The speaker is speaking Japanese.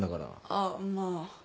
あっまあ。